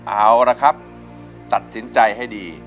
เอาละครับตัดสินใจให้ดี